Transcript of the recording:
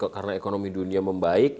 karena ekonomi dunia membaik